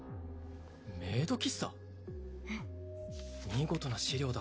見事な資料だ